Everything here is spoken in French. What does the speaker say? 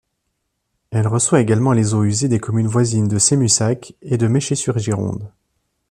Elle reçoit également les eaux usées des communes voisines de Semussac et de Meschers-sur-Gironde.